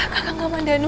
kakak ngaman denu